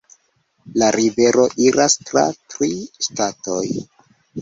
La rivero iras tra tri ŝtatoj.